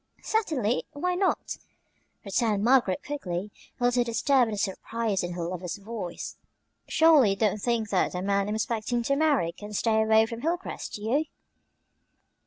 "Certainly; why not?" returned Margaret quickly, a little disturbed at the surprise in her lover's voice. "Surely you don't think that the man I'm expecting to marry can stay away from Hilcrest; do you?"